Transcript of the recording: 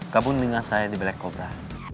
kamu dengar saya di black cobra